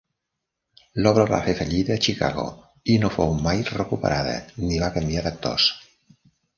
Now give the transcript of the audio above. L'obra va fer fallida a Chicago i no fou mai recuperada ni va canviar d'actors.